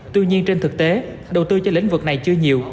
tuy nhiên trên thực tế đầu tư cho lĩnh vực này chưa nhiều